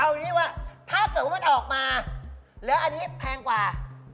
เอางี้ว่าถ้าเกิดว่ามันออกมาแล้วอันนี้แพงกว่า